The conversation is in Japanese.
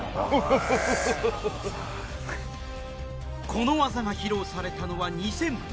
この技が披露されたのは２００７年